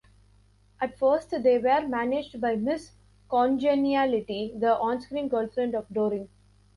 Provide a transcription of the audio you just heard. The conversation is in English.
At first, they were managed by Miss Congeniality, the onscreen girlfriend of Doring.